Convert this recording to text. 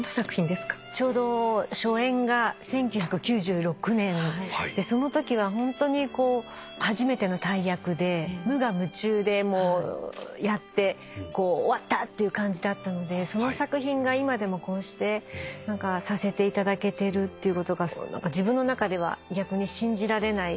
ちょうど初演が１９９６年でそのときはホントに初めての大役で無我夢中でやって終わった！っていう感じだったのでその作品が今でもこうしてさせていただけてるってことが自分の中では逆に信じられないぐらいで。